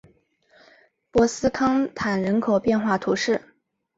博斯康坦人口变化图示